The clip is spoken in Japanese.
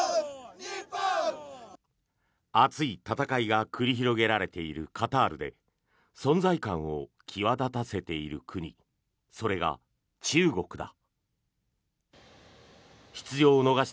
熱い戦いが繰り広げられているカタールで存在感を際立たせている国それが中国だ。